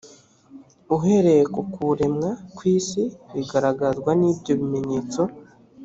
uhereye ku kuremwa kw isi bigaragazwa n ibyo bimenyetso